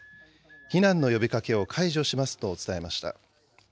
避難の呼びかけを解除しますと伝えました。